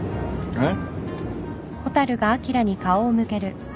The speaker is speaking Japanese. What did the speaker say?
えっ？